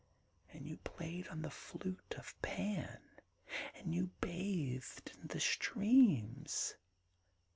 ' And you played on the flute of Pan ; and you bathed in the streams.